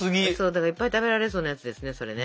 だからいっぱい食べられそうなやつですねそれね。